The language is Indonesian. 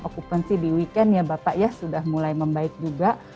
okupansi di weekend ya bapak ya sudah mulai membaik juga